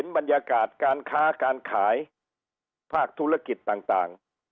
บรรยากาศการค้าการขายภาคธุรกิจต่าง